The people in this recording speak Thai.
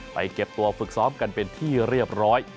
เก็บตัวฝึกซ้อมกันเป็นที่เรียบร้อย